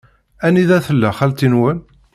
Anida tella xalti-nwen?